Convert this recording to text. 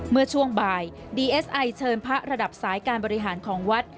เมื่อช่วงบ่ายดีเอสไอเชิญพระระดับสายการบริหารของวัด